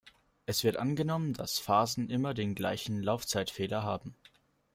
Es wird angenommen, dass Phasen immer den gleichen Laufzeitfehler haben.